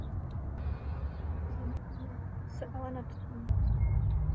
Zamysleme se ale nad tím.